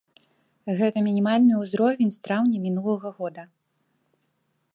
Гэта мінімальны ўзровень з траўня мінулага года.